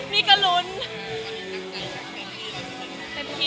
มีกระรุ้น